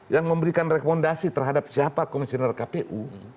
yang memberikan rekomendasi terhadap siapa komisioner kpu